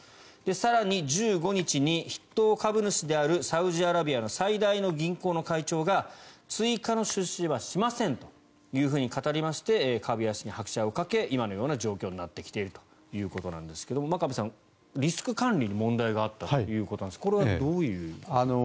更に、１５日に筆頭株主であるサウジアラビアの最大の銀行の会長が追加の出資はしませんというふうに語りまして株安に拍車をかけ今のような状況になっているということですが真壁さん、リスク管理に問題があったということですがこれはどういうことなんですか？